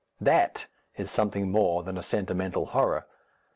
That is something more than a sentimental horror.